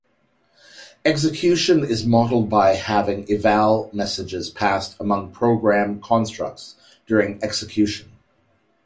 Execution is modeled by having Eval messages passed among program constructs during execution.